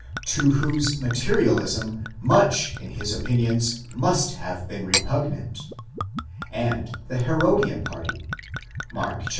to whose materialism much in his opinions must have been repugnant ; and the Herodian party (Mark iii.